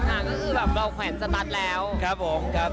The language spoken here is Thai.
ค่ะก็คือแบบเราแขวนสตัสแล้วครับผมครับ